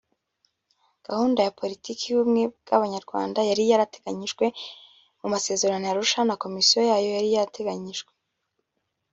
Gahunda ya politiki y’Ubumwe bw’Abanyarwanda yari yarateganijwe mu masezerano ya Arusha na Komisiyo yayo yari yarateganijwe